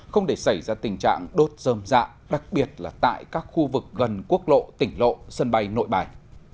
không để xảy ra tình trạng đốt dơm dạ đặc biệt là tại các khu vực gần quốc lộ tỉnh lộ sân bay nội bài